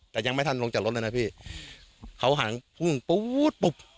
แต่ยังไม่ทันลงจากรถเลยนะพี่เขาหันพุ่งปุ๊บปุ๊บ